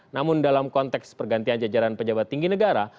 namun dalam konteks pergantian jajaran pejabat tinggi negara